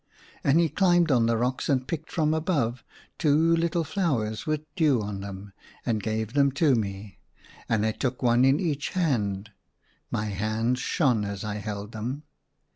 And he climbed on the rocks and picked from above two little flowers with dew on them, and gave them to me. And I took one in each hand ; my hands shone as I held them.